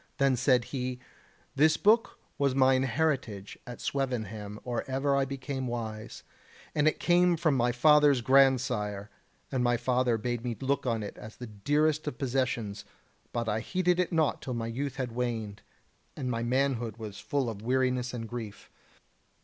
Then said he: "This book was mine heritage at Swevenham or ever I became wise, and it came from my father's grandsire: and my father bade me look on it as the dearest of possessions; but I heeded it naught till my youth had waned, and my manhood was full of weariness and grief.